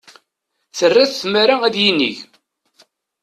Terra-t tmara ad yinig.